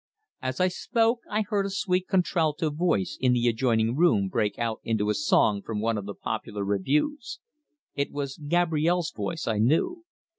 As I spoke I heard a sweet contralto voice in the adjoining room break out into a song from one of the popular revues. It was Gabrielle's voice, I knew.